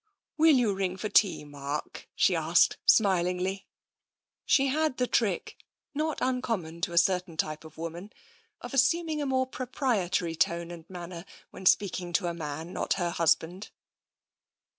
"Will you ring for tea, Mark?" she asked smil ingly. She had the trick, not uncommon to a certain type of woman, of assuming a more proprietary tone and manner when speaking to a man not her husband.